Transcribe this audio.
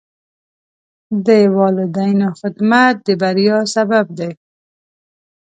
د والدینو خدمت د بریا سبب دی.